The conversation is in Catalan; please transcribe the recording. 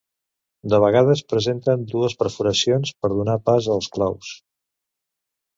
De vegades presenten dues perforacions per donar pas als claus.